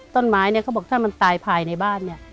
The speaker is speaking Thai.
ต้นไม้นี่เขาบอกถ้ามันตายภายในบ้าน